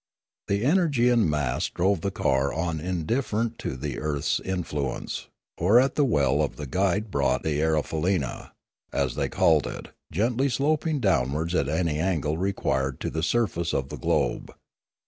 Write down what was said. The energy in mass drove the car on indif ferent to the earth's influence, or at the will of the guide brought the erfaleena, as they called it, gently sloping downwards at any angle required to the surface of the globe.